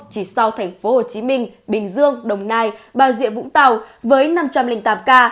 chỉ sau thành phố hồ chí minh bình dương đồng nai bà diệm vũng tàu với năm trăm linh tám ca